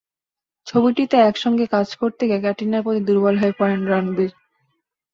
ছবিটিতে একসঙ্গে কাজ করতে গিয়ে ক্যাটরিনার প্রতি দুর্বল হয়ে পড়েন রণবীর।